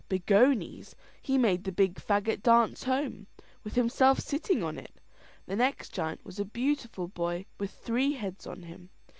Begonies, he made the big faggot dance home, with himself sitting on it. The next giant was a beautiful boy with three heads on him.